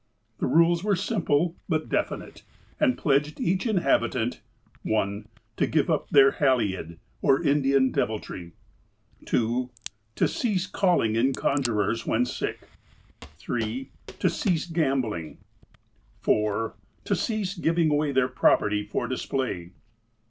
The rules were simple, but definite, and pledged each inhabitant : (1) To give up their ''Hallied," or Indian deviltry. (2) To cease calling in conjurers when sick. (3) To cease gambling, (4) To cease giving away their property for display.